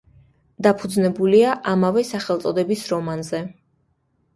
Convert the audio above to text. დაფუძნებულია ამავე სახელწოდების რომანზე.